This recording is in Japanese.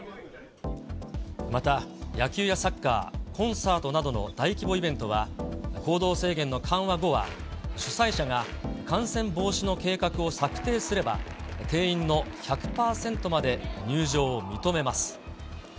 また、野球やサッカー、コンサートなどの大規模イベントは、行動制限の緩和後は、主催者が感染防止の計画を策定すれば、定員の１００％まで入場を認めます。